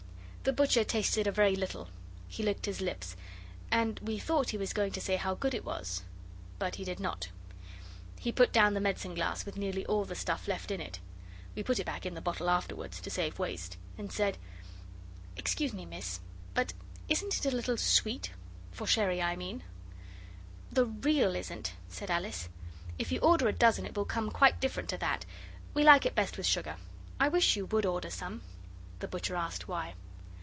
The butcher tasted a very little. He licked his lips, and we thought he was going to say how good it was. But he did not. He put down the medicine glass with nearly all the stuff left in it (we put it back in the bottle afterwards to save waste) and said, 'Excuse me, miss, but isn't it a little sweet? for sherry I mean?' 'The Real isn't,' said Alice. 'If you order a dozen it will come quite different to that we like it best with sugar. I wish you would order some.' The butcher asked why.